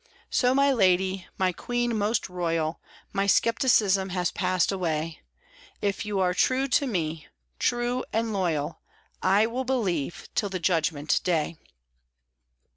So my lady, my queen most royal, My skepticism has passed away; If you are true to me, true and loyal, I will believe till the Judgment day.